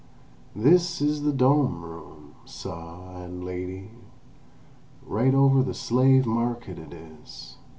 "This is the dome room, suh and lady; right over the slave market it is.